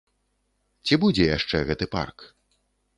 Ці будзе яшчэ гэты парк?